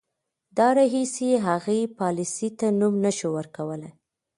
د راهیسې هغې پالیسۍ ته نوم نه شو ورکولای.